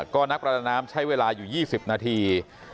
ก็นักประดาน้ำใช้เวลาอยู่๒๐นาที